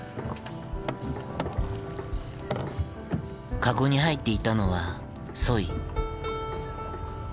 かごに入っていたのはソイ。